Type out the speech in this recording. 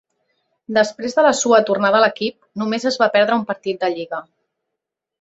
Després de la seua tornada a l'equip només es va perdre un partit de lliga.